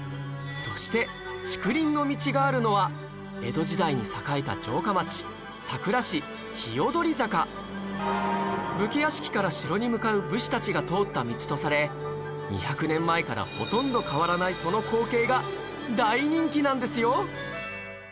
そして竹林の道があるのは武家屋敷から城に向かう武士たちが通った道とされ２００年前からほとんど変わらないその光景が大人気なんですよ！